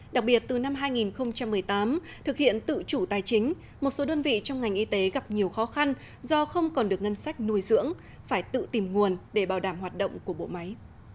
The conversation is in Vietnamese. đặc biệt từ năm hai nghìn một mươi tám thực hiện tự chủ tài chính một số đơn vị trong ngành y tế gặp nhiều khó khăn do không còn được ngân sách nuôi dưỡng phải tự tìm nguồn để bảo đảm hoạt động của bộ máy